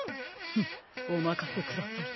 フッおまかせください。